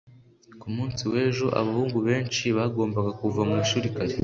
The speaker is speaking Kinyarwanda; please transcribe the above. ku munsi w'ejo, abahungu benshi bagombaga kuva mu ishuri kare